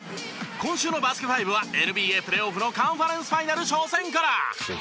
今週の『バスケ☆ＦＩＶＥ』はＮＢＡプレーオフのカンファレンスファイナル初戦から。